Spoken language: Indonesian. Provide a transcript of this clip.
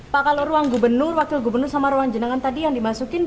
pak kalau ruang gubernur wakil gubernur sama ruang jenangan tadi yang dimasukin